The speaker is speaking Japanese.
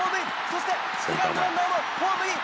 そしてセカンドランナーもホームイン！